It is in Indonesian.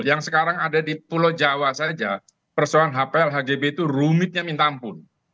yang sekarang ada di pulau jawa saja persoalan hpl hgb itu rumitnya minta ampun